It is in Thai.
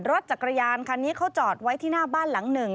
รถจักรยานคันนี้เขาจอดไว้ที่หน้าบ้านหลังหนึ่ง